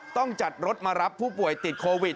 ต้องจัดรถมารับผู้ป่วยติดโควิด